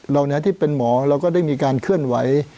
ที่เป็นหมอเราก็ได้มีการเคลื่อนไหว